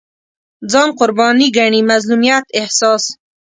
ځان قرباني ګڼي مظلومیت احساس